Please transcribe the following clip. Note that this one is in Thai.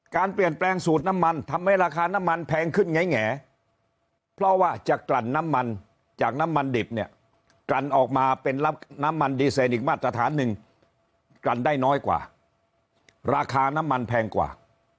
การเปลี่ยนแปลงสูตรน้ำมันทำให้ราคาน้ำมันแพงขึ้นแง่เพราะว่าจะกลั่นน้ำมันจากน้ำมันดิบเนี่ยกลั่นออกมาเป็นรับน้ำมันดีเซนอีกมาตรฐานหนึ่งกลั่นได้น้อยกว่าราคาน้ำมันแพงกว่า